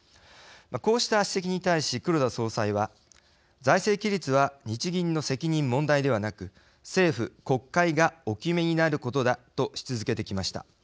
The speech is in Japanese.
こうした指摘に対し、黒田総裁は財政規律は日銀の責任問題ではなく政府・国会がお決めになることだとし続けてきました。